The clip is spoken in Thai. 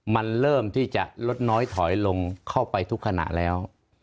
มันเริ่มที่จะลดน้อยถอยลงเข้าไปทุกขณะแล้ว